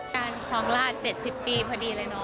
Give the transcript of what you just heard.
การครองราช๗๐ปีพอดีเลยเนาะ